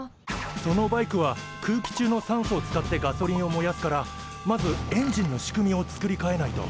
そのバイクは空気中の酸素を使ってガソリンを燃やすからまずエンジンの仕組みを作りかえないと。